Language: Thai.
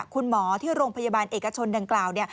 คุณหมอที่โรงพยาบาลเอกชนดังกล่าวเนี่ย